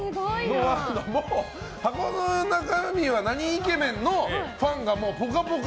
箱の中身はなにイケメン？のファンがもう「ぽかぽか」